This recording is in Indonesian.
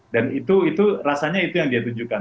dan itu itu rasanya itu yang dia tunjukkan